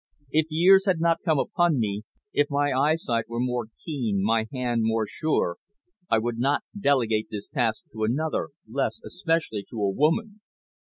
If years had not come upon me, if my eyesight were more keen, my hand more sure, I would not delegate this task to another, less especially to a woman."